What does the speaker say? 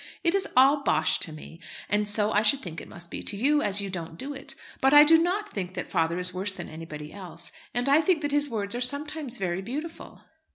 It is all bosh to me. And so I should think it must be to you, as you don't do it. But I do not think that father is worse than anybody else; and I think that his words are sometimes very beautiful."